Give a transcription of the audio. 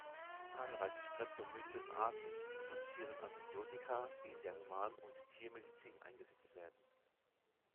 Zahlreiche Streptomyces-Arten produzieren Antibiotika, die in der Human- und Tiermedizin eingesetzt werden.